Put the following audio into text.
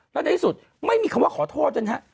แล้วในที่สุดไม่มีคำว่าขอโทษนะฮะ